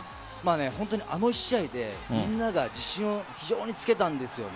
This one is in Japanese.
本当にあの１試合でみんなが自信を非常につけたんです。